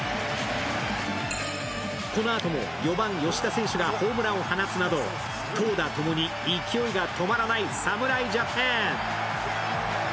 このあとも、４番・吉田選手がホームランを放つなど投打とともに勢いが止まらない侍ジャパン。